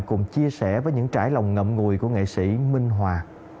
cùng chia sẻ với những trải lòng ngậm ngùi của nghệ sĩ minh hòa